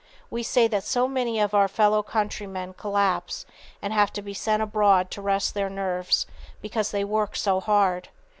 We say that so many of our fellow countrymen collapse and have to be sent abroad to rest their nerves, because they work so hard.